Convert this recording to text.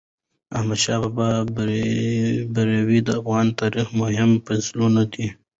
د احمدشاه بابا بریاوي د افغان تاریخ مهم فصلونه دي.